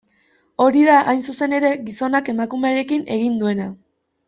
Hori da, hain zuzen ere, gizonak emakumearekin egin duena.